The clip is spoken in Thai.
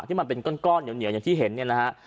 ที่มันเป็นก้อนเหนียวอย่างที่เห็นเนี่ยนะฮะ